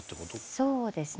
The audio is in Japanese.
そうですね。